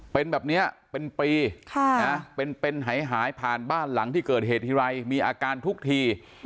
เป็นแบบนี้เป็นปีเป็นหายผ่านบ้านหลังที่เกิดเหตุทีไรมีอาการทุกที